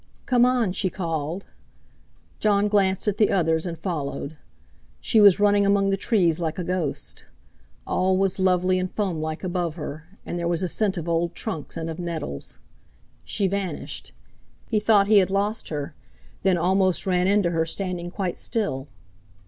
"Come on!" she called. Jon glanced at the others, and followed. She was running among the trees like a ghost. All was lovely and foamlike above her, and there was a scent of old trunks, and of nettles. She vanished. He thought he had lost her, then almost ran into her standing quite still.